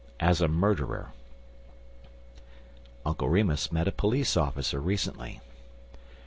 AS A MURDERER UNCLE Remus met a police officer recently.